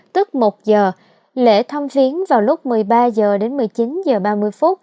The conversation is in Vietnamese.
tức một h lễ thăm phiến vào lúc một mươi ba h đến một mươi chín h ba mươi